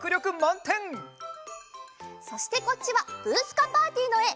そしてこっちは「ブー！スカ・パーティー！」のえ！